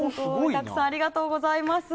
たくさんありがとうございます。